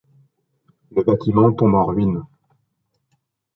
Le bâtiment tombe en ruine.